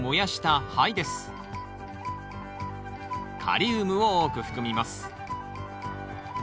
カリウムを多く含みます。